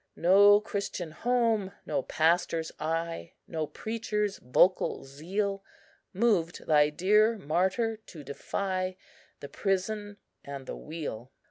"No Christian home, no pastor's eye, No preacher's vocal zeal, Moved Thy dear martyr to defy The prison and the wheel.